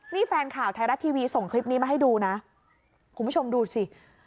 นี่แฟนข่าวไทยรัฐทีวีส่งคลิปนี้มาให้ดูนะคุณผู้ชมดูสิ